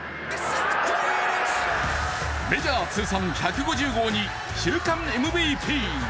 メジャー通算１５０号に、週間ＭＶＰ。